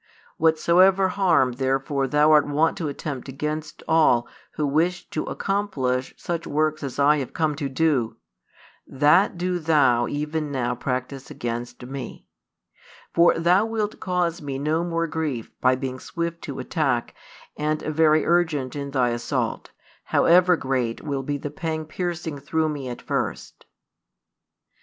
Whatsoever harm therefore thou art wont to attempt against all who wish to accomplish such works as I have come to do, that do thou even now practise against Me. For thou wilt cause Me no more grief by being swift to attack and |203 very urgent in thy assault, however great will be the pang piercing through Me at first."